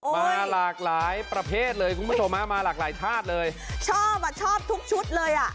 มาหลากหลายประเภทเลยคุณผู้ชมฮะมาหลากหลายธาตุเลยชอบอ่ะชอบทุกชุดเลยอ่ะ